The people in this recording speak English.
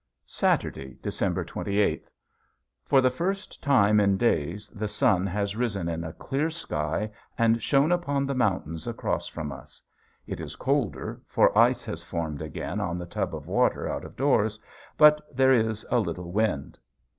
Saturday, December twenty eighth. For the first time in days the sun has risen in a clear sky and shone upon the mountains across from us. It is colder, for ice has formed again on the tub of water out of doors. But there is a little wind.